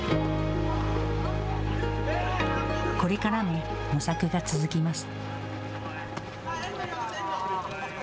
これからも模索が続きます。